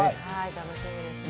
楽しみですね。